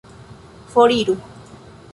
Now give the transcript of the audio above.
foriru